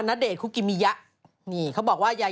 ตามอัตภาพค่ะ